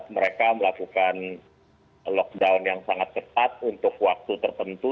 mereka melakukan lockdown yang sangat cepat untuk waktu tertentu